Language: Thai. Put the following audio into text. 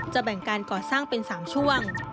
แบ่งการก่อสร้างเป็น๓ช่วง